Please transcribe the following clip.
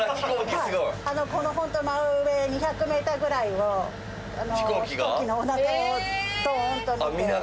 このホント真上２００メーターぐらいを飛行機のおなかをドーンと見て。